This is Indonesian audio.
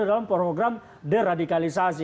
dalam program deradikalisasi